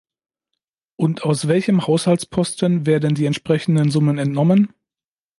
Und aus welchem Haushaltposten werden die entsprechenden Summen entnommen?